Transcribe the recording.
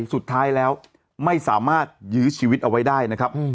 สุดท้ายแล้วไม่สามารถยื้อชีวิตเอาไว้ได้นะครับ